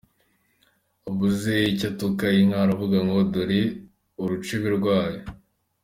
Ubuze icyo atuka inka aravuga ngo dore urucebe rwayo.